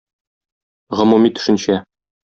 Гомуми төшенчә.